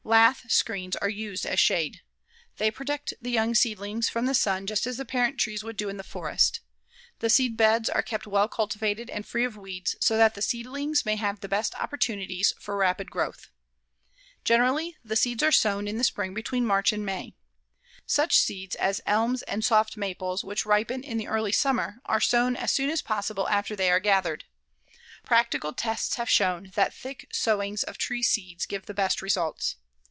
Lath screens are used as shade. They protect the young seedlings from the sun just as the parent trees would do in the forest. The seedbeds are kept well cultivated and free of weeds so that the seedlings may have the best opportunities for rapid growth. Generally the seeds are sown in the spring between March and May. Such seeds as the elms and soft maples, which ripen in the early summer, are sown as soon as possible after they are gathered. Practical tests have shown that thick sowings of tree seeds give the best results.